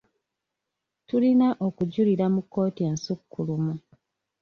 Tulina okujulira mu kkooti ensukkulumu.